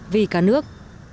vì cả nước